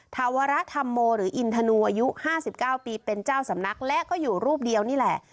ธวรธรรมโมหรืออินทนูอายุ๕๙ปีเป็นเจ้าสำนักและก็อยู่รูปเดียวนี่แหละ